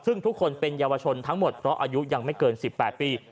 ซึ่งทุกคนเป็นเยาวชนทั้งหมดเพราะอายุยังไม่เกิน๑๘ปี